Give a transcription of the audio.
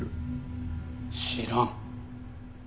知らん。